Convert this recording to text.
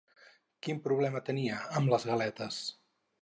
Quin problema tenia amb les galetes?